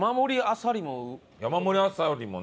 山盛りあさりも。